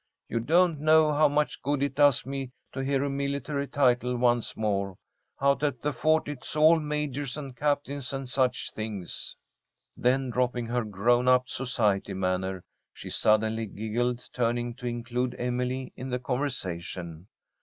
You don't know how much good it does me to hear a military title once more. Out at the fort it's all majors and captains and such things." Then, dropping her grown up society manner, she suddenly giggled, turning to include Emily in the conversation.